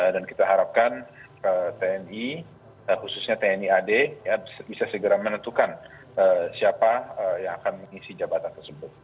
dan kita harapkan tni khususnya tni ad bisa segera menentukan siapa yang akan mengisi jabatan tersebut